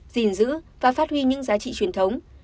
gìn giữ và phát huy những giá trị truyền thống